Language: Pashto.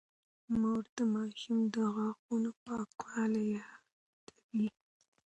مور د ماشوم د غاښونو پاکوالی يادوي.